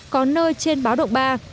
có nơi trên báo động ba